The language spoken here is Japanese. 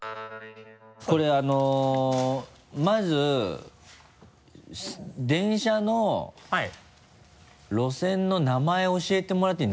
これまず電車の路線の名前教えてもらっていい？